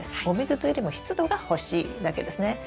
お水というよりも湿度が欲しいだけですね。